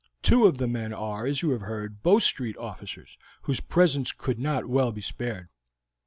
Two of the men are, as you have heard, Bow Street officers, whose presence could not well be spared."